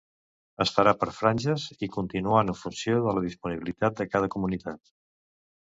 Es farà per franges i continuant en funció de la disponibilitat de cada comunitat.